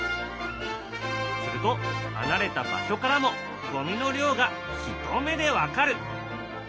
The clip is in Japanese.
すると離れた場所からもゴミの量が一目で分かる。